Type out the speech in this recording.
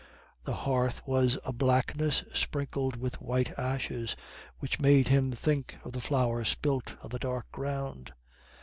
The hearth was a blackness sprinkled with white ashes, which made him think of the flour spilt on the dark ground.